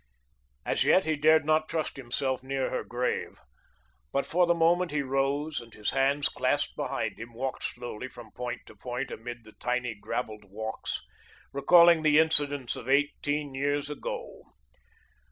As yet he dared not trust himself near her grave, but, for the moment, he rose and, his hands clasped behind him, walked slowly from point to point amid the tiny gravelled walks, recalling the incidents of eighteen years ago.